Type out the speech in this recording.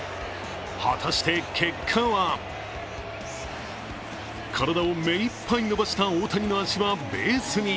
果たして結果は体を目いっぱい伸ばした大谷の足はベースに。